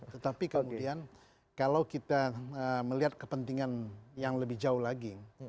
tetapi kemudian kalau kita melihat kepentingan yang lebih jauh lagi